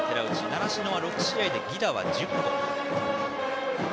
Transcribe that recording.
習志野は６試合で犠打は１０個。